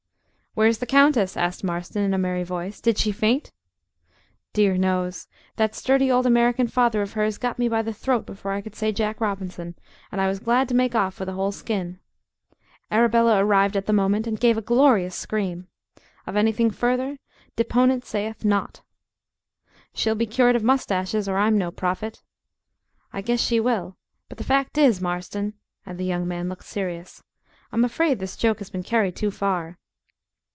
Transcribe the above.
"Where's the countess?" asked Marston, in a merry voice. "Did she faint?" "Dear knows. That sturdy old American father of hers got me by the throat before I could say Jack Robinson, and I was glad to make off with a whole skin. Arabella arrived at the moment, and gave a glorious scream. Of any thing further, deponent sayeth not." "She'll be cured of moustaches, or I'm no prophet." "I guess she will. But the fact is, Marston," and the young man looked serious, "I'm afraid this joke has been carried too far."